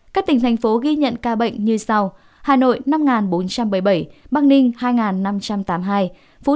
các tỉnh thành phố ghi nhận ca bệnh như sau